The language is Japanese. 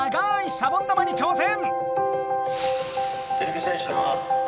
シャボン玉に挑戦！